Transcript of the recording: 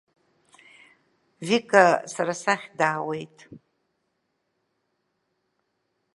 Вика сара сахь даауеит!